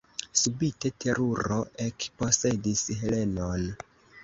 Subite teruro ekposedis Helenon.